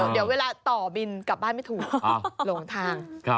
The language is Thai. เดี๋ยวเวลาต่อบินกลับบ้านไม่ถูกหลงทาง